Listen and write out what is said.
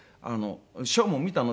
「ショーも見たの？」。